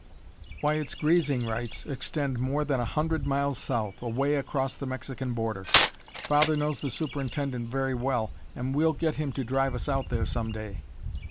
Why, its grazing rights extend more than a hundred miles south, away across the Mexican border. Father knows the superintendent very well, and we'll get him to drive us out there some day."